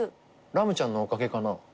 ラムちゃんのおかげかな？